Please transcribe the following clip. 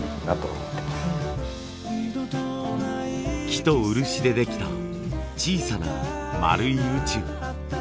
木と漆でできた小さなまるい宇宙。